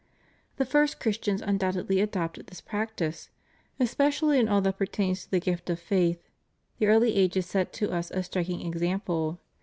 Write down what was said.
The first Christians undoubtedly adopted this practice. Especially in all that pertains to the gift of faith the early ages set us a striking example.